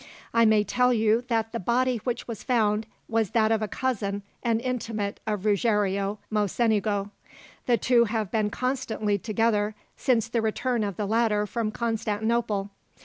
I may tell you that the body which was found was that of a cousin and intimate of Ruggiero Mocenigo. The two have been constantly together since the return of the latter from Constantinople.